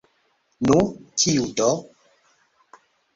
Nu, kiu do?